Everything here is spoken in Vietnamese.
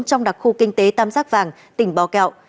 trong đặc khu kinh tế tam giác vàng tỉnh bò kẹo